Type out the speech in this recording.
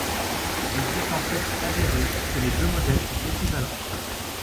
Il s'est en fait avéré que les deux modèles sont équivalents.